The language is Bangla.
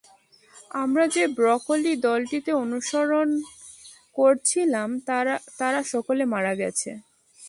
আমরা যে ব্রুকলিন দলটিকে অনুসরণ করছিলাম, তারা সকলে মারা গেছে।